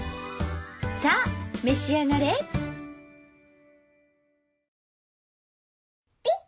さぁ召し上がれピッ！